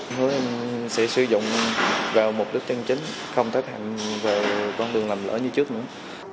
em hứa em sẽ sử dụng vào mục đích chân chính không thách hạn về con đường làm lỡ như trước nữa